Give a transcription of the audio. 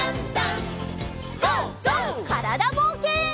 からだぼうけん。